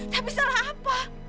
tapi salah apa